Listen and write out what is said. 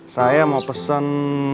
saya mau pesen